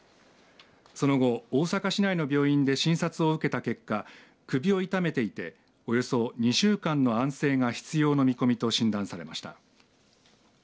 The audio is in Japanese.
その後、大阪市内の病院で診察を受けた結果首を痛めていておよそ２週間の安静が必要の見込みと診断されました。